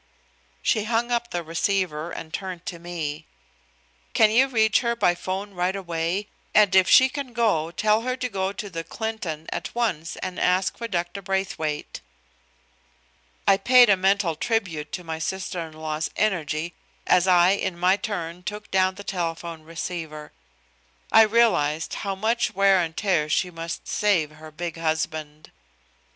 She hung up the receiver and turned to me. "Can you reach her by 'phone right away, and if she can go tell her to go to the Clinton at once and ask for Dr. Braithwaite?" I paid a mental tribute to my sister in law's energy as I in my turn took down the telephone receiver. I realized how much wear and tear she must save her big husband.